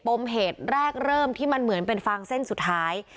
มเหตุแรกเริ่มที่มันเหมือนเป็นฟางเส้นสุดท้าย